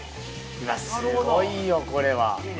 いやすごいよこれは。